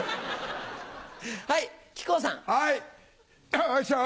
おいしょ！